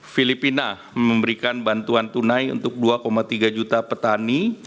filipina memberikan bantuan tunai untuk dua tiga juta petani